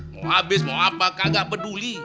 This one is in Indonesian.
mau habis mau apa kagak peduli